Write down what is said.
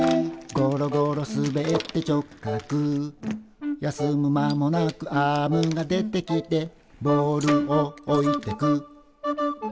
「ごろごろすべって直角」「休む間もなくアームが出てきて」「ボールをおいてく」